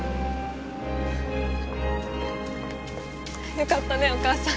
よかったねお母さん。